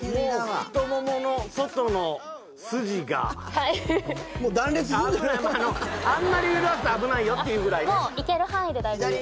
もう太ももの外の筋がはいもう断裂するんじゃ危ないあのあんまり揺らすと危ないよっていうぐらいねもういける範囲で大丈夫です